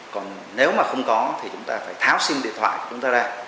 còn nếu mà không có thì chúng ta phải tháo sim điện thoại của chúng ta ra